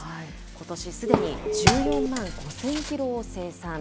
ことしすでに１４万５０００キロを生産。